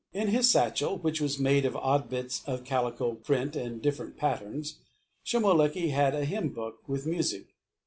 In his satchel, which was made of odd bits of calico print of different patterns, Shomolekae had a hymn book with music.